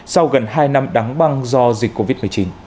sau gần hai năm đóng băng do dịch covid một mươi chín